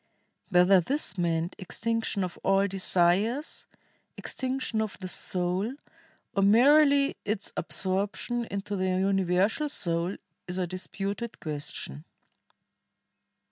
WTiether this meant extinction of all desires, extinction of the soul, or merely its absorption into the universal soul is a disputed question.